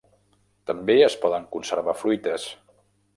També es poden conservar fruites.